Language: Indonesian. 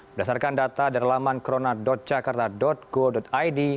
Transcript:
berdasarkan data dari laman corona jakarta go id